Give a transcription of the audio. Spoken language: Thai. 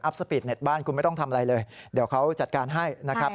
สปีดเน็ตบ้านคุณไม่ต้องทำอะไรเลยเดี๋ยวเขาจัดการให้นะครับ